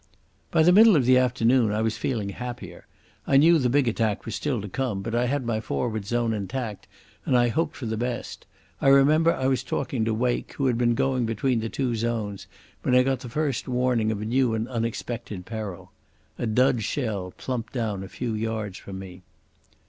By the middle of the afternoon I was feeling happier. I knew the big attack was still to come, but I had my forward zone intact and I hoped for the best. I remember I was talking to Wake, who had been going between the two zones, when I got the first warning of a new and unexpected peril. A dud shell plumped down a few yards from me.